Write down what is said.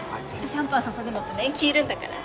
シャンパン注ぐのって年季いるんだから。